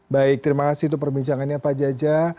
baik terima kasih untuk perbincangannya pak jaja